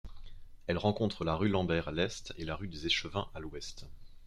Elle rencontre la rue Lambert à l'est et la rue des Échevins à l'ouest.